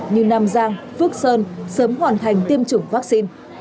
như nam giang phước sơn sớm hoàn thành tiêm chủng vaccine